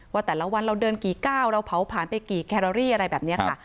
ว่าแต่ละวันเราเดินกี่ก้าวเราเผาผ่านไปกี่แครอรี่อะไรแบบนี้ค่ะ